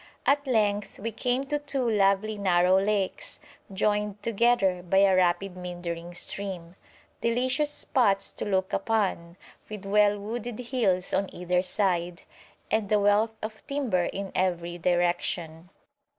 At length we came to two lovely narrow lakes, joined together by a rapid meandering stream, delicious spots to look upon, with well wooded hills on either side, and a wealth of timber in every direction.